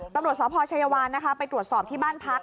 ตำรวจสอบพชะยวัลไปตรวจสอบที่บ้านพรรค